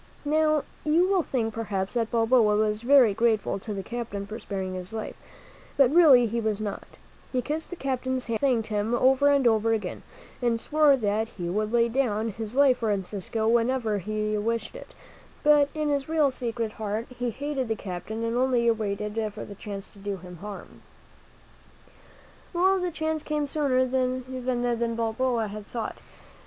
Now, you will think, perhaps, that Balboa was very grateful to the captain for sparing his life, but really he was not. He kissed the captain's hand and thanked him over and over again, and swore that he would lay down his life for Encisco whenever he wished it; but in his real secret heart he hated the captain and only waited for the chance to do him harm. 'ffV J));. Am n ■:ij s; w\ t !^i \».tMM THE WHITE TYRANT OF DARIEN 3?t Well, the chance came sooner even than Balboa had thought.